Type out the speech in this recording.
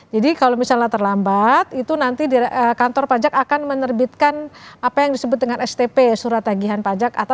jadi kalau misalnya terlambat itu nanti kantor pajak akan menerbitkan apa yang disebut dengan stp